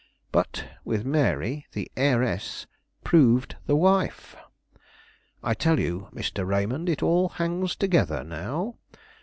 But with Mary, the heiress, proved the wife! I tell you, Mr. Raymond, it all hangs together now.